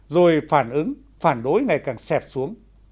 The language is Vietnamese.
rồi phản ứng phản đối ngày càng xẹp xuống